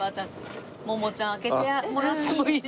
桃ちゃん開けてもらってもいいですか？